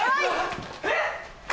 えっ！